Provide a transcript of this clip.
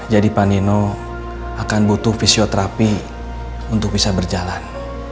jadi pak nino akan butuh fisioterapi untuk bisa berjalan